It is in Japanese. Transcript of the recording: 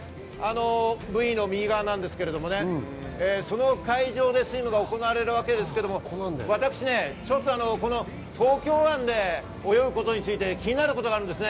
Ｖの右側なんですが、その会場でスイムが行われるわけですけれども私、東京湾で泳ぐことについて気になることがあるんですね。